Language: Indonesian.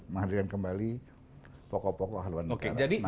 menghadirkan kembali pokok pokok haluan negara